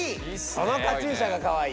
このカチューシャがかわいい。